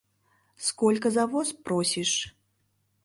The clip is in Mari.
Сколько за воз просишь?